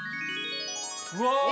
うわ！